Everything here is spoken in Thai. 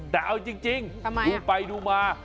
แต่เอาจริงดูไปดูมา